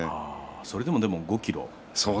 それでも５ｋｇ？